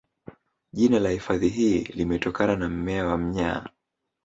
Jina la hifadhi hii limetokana na mmea wa mnyaa